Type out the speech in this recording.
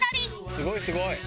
「すごいすごい！」